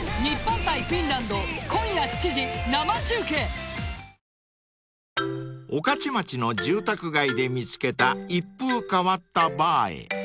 ペイトク［御徒町の住宅街で見つけた一風変わったバーへ］